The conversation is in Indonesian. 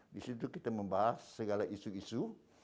di situ kita membahas segala isu isu